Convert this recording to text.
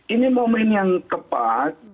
ini momen yang tepat